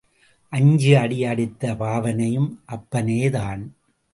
அஞ்சு அடி அடித்த பாவனையும் அப்பனேதான்.